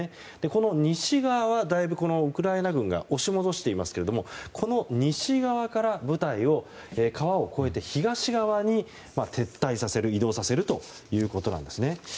この西側はだいぶウクライナ軍が押し戻していますけれどもこの西側から部隊を川を越えて東側に撤退させる移動させるということです。